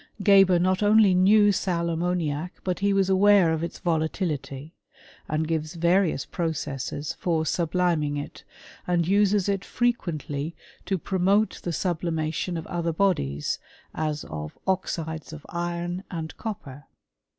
Geber not only knew sal ammoniac, but he was aware of its volatility; and gives various processes for subliming it, and uses it frequently to promote the sublimation of other bodies, as of oxides of iron and copper.